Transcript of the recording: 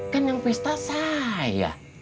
kan yang pesta saya